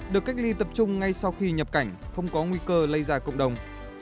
được cách ly tập trung ngay sau khi nhập cảnh không có nguy cơ lây ra cộng đồng